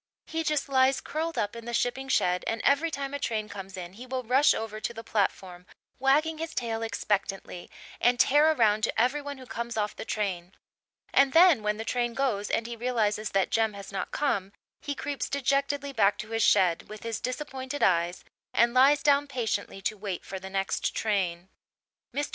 He just lies curled up in the shipping shed, and every time a train comes in he will rush over to the platform, wagging his tail expectantly, and tear around to every one who comes off the train. And then, when the train goes and he realizes that Jem has not come, he creeps dejectedly back to his shed, with his disappointed eyes, and lies down patiently to wait for the next train. Mr.